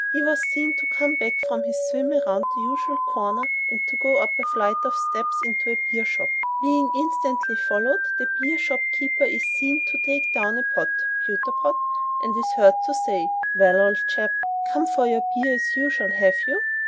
He was seen to come back from his swim round the usual corner and to go up a flight of steps into a beer shop. Being instantly followed, the beer shopkeeper is seen to take down a pot (pewter pot) and is heard to say: "Well, old chap, come for your beer as usual, have you?"